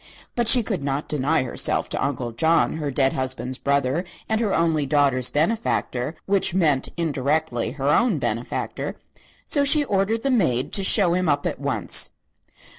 But she could not deny herself to Uncle John, her dead husband's brother and her only daughter's benefactor (which meant indirectly her own benefactor), so she ordered the maid to show him up at once.